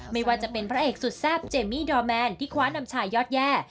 ไม่ว่าจะเป็นพระเอกสุดแซ่บเจมมี่ดอร์แมนที่คว้านำชายยอดแย่